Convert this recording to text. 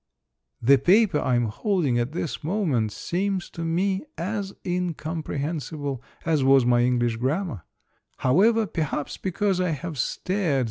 The paper I am holding at this moment seems to me as incomprehensible as was my English grammar ; however, perhaps because I have stared A First Night Performance.